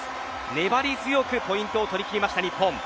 粘り強くポイントを取り切りました日本。